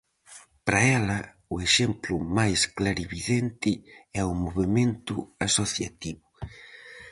Para ela, o exemplo máis clarividente é o movemento asociativo.